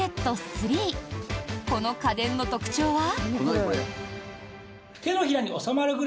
この家電の特徴は。